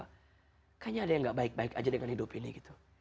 kayaknya ada yang gak baik baik aja dengan hidup ini gitu